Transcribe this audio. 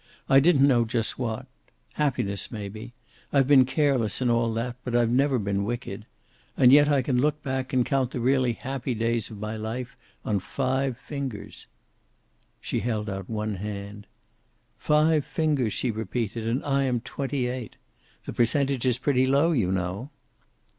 I didn't know just what. Happiness, maybe. I've been careless and all that, but I've never been wicked. And yet I can look back, and count the really happy days of my life on five fingers." She held out one hand. "Five fingers!" she repeated, "and I am twenty eight. The percentage is pretty low, you know."